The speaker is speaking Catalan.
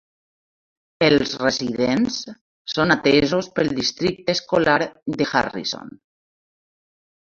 Els residents són atesos pel districte escolar de Harrison.